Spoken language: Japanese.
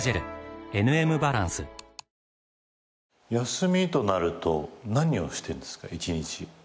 休みとなると何をしてんですか一日。